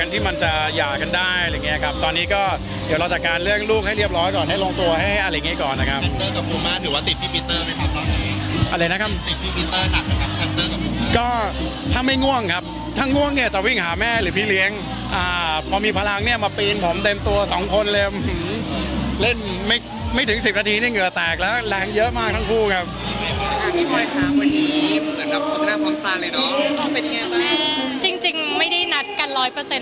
ที่มันจะหย่ากันได้ตอนนี้ก็เดี๋ยวเราจัดการเรื่องลูกให้เรียบร้อยก่อนให้ลงตัวอะไรอย่างงี้ก่อนครับก็ถ้าไม่ง่วงครับถ้าง่วงเนี่ยจะวิ่งหาแม่หรือพี่เลี้ยงพอมีพลังเนี่ยมาปีนผมเต็มตัว๒คนเลยเล่นไม่ถึง๑๐นาทีเอาเหงื่อแตกแล้วแหลงเยอะมากทั้งคู่ครับ